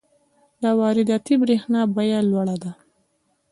د وارداتي برښنا بیه لوړه ده.